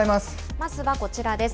まずはこちらです。